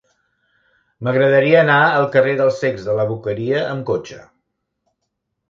M'agradaria anar al carrer dels Cecs de la Boqueria amb cotxe.